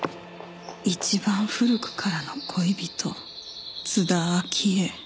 一番古くからの恋人津田明江。